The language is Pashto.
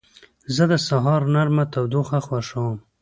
زه د سهار نرمه تودوخه خوښوم.